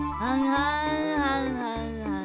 はんはんはんはん。